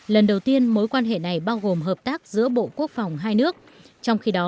lần đầu tiên mối quan hệ này bao gồm hợp tác giữa bộ quốc phòng hai nước trong khi đó